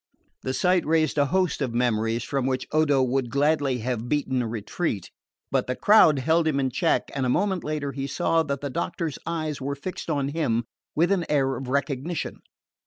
The sight raised a host of memories from which Odo would gladly have beaten a retreat; but the crowd held him in check and a moment later he saw that the doctor's eyes were fixed on him with an air of recognition.